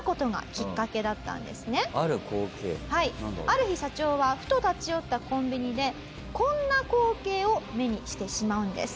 ある日社長はふと立ち寄ったコンビニでこんな光景を目にしてしまうんです。